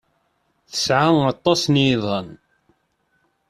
Tesɛa aṭas n yiḍan.